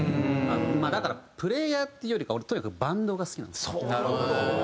まあだからプレイヤーっていうよりか俺とにかくバンドが好きなんですよ。